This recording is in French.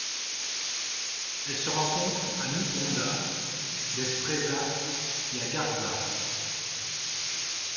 Elle se rencontre à Micronda des Presa et à Garza.